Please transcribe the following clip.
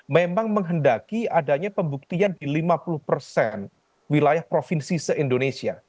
memang menghendaki adanya pembuktian di lima puluh persen wilayah provinsi se indonesia